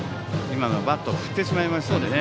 今のはバットを振ってしまいましたね。